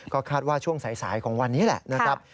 ก็คาดว่าช่วงสายของวันนี้แหละนะครับ